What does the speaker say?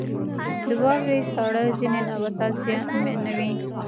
• د واورې ساړه ځینې نباتات زیانمنوي.